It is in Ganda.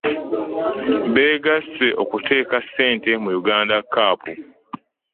Beegasse okuteeka ssente mu Uganda Cup.